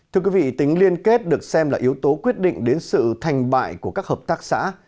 thưa quý vị tính liên kết được xem là yếu tố quyết định đến sự thành bại của các hợp tác xã